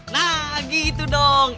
nah gitu dong